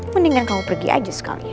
mendingan kamu pergi aja sekarang